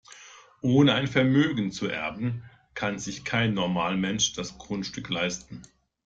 Ohne ein Vermögen zu erben, kann sich kein Normalmensch das Grundstück leisten.